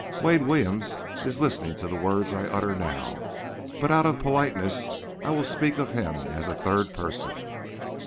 Wade Williams is listening to the words I utter now; but out of politeness, I will speak of him as a third person.